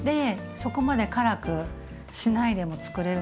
そこまで辛くしないでもつくれる。